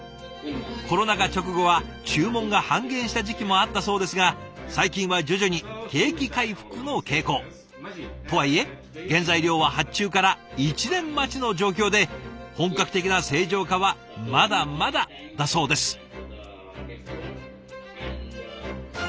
コロナ禍直後は注文が半減した時期もあったそうですが最近は徐々に景気回復の傾向。とはいえ原材料は発注から１年待ちの状況で本格的な正常化はまだまだだそうです。